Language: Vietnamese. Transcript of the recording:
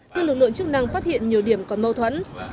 nhưng lực lượng chức năng phát hiện nhiều điểm còn mâu thuẫn